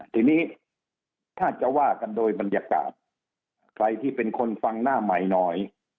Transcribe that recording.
ทีนี้ถ้าจะว่ากันโดยบรรยากาศใครที่เป็นคนฟังหน้าใหม่หน่อย